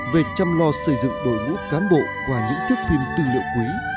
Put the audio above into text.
về chăm lo xây dựng đội ngũ cán bộ qua những thước phim tư liệu quý